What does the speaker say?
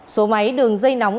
số máy đường dây nóng